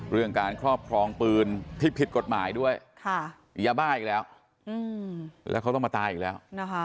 เรื่องการครอบครองปืนที่ผิดกฎหมายด้วยมียาบ้าอีกแล้วแล้วเขาต้องมาตายอีกแล้ว